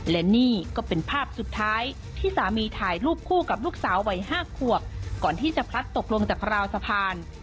และนี่ก็เป็นภาพสุดท้ายที่สามีถ่ายรูปคู่กับลูกสาววัย๕ขวบก่อนที่จะพลัดตกลงจากราวสะพาน